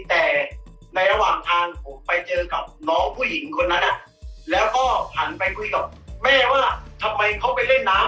แต่ในระหว่างทางผมไปเจอกับน้องผู้หญิงคนนั้นแล้วก็หันไปคุยกับแม่ว่าทำไมเขาไปเล่นน้ำ